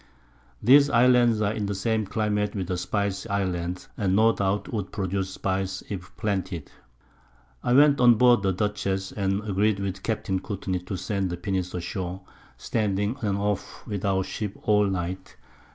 These Islands are in the same Climate with the Spice Islands, and no doubt would produce Spice, if planted. I went on board the Dutchess, and agreed with Capt. Courtney to send the Pinnace ashore, standing on and off with our Ships all Night.